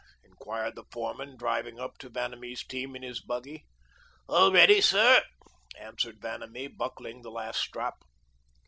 inquired the foreman, driving up to Vanamee's team in his buggy. "All ready, sir," answered Vanamee, buckling the last strap.